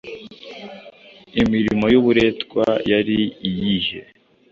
Imirimo y'uburetwa yari iyihe?